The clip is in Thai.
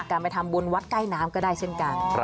การไปทำบุญวัดใกล้น้ำก็ได้เช่นกัน